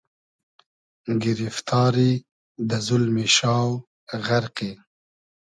گیریفتاری , دۂ زولمی شاو غئرقی